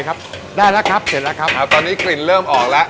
ครับได้แล้วครับเสร็จแล้วครับตอนนี้กลิ่นเริ่มออกแล้ว